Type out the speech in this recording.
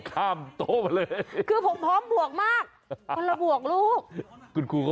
ใครเข้าบวกก็บวกเลยครับ